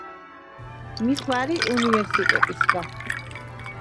მი ხვა̈რი უნივერსტეტისგა.